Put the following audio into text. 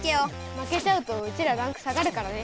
負けちゃうとうちらランク下がるからね。